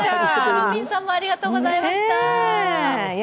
ロビンさんもありがとうございました。